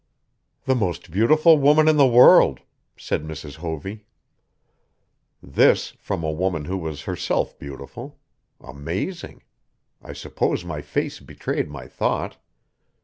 "The most beautiful woman in the world," said Mrs. Hovey. This from a woman who was herself beautiful! Amazing! I suppose my face betrayed my thought.